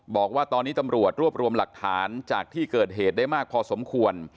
บอกว่าตอนนี้ตำรวจรวบรวมหลักฐานจากที่เกิดเหตุได้มากพอสมควร